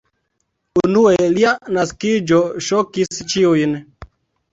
Unue lia naskiĝo ŝokis ĉiujn.